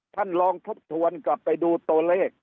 ท่านลองทบทวนกลับไปดูตัวเลข